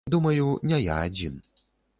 Думаю, не я адзін.